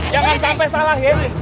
jangan sampai salah ini